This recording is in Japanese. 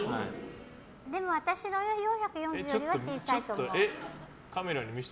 でも私の４４０よりは小さいと思う。